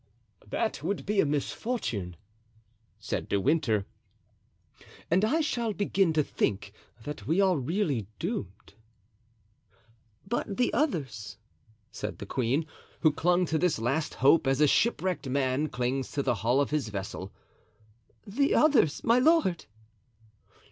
"That would be a misfortune," said De Winter, "and I shall begin to think that we are really doomed." "But the others," said the queen, who clung to this last hope as a shipwrecked man clings to the hull of his vessel. "The others, my lord!"